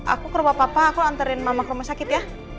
aku ke rumah papa aku antarin mama ke rumah sakit ya